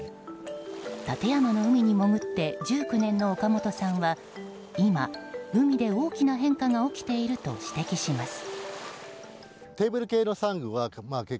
館山の海に潜って１９年の岡本さんは今、海で大きな変化が起きていると指摘します。